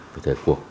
với thời cuộc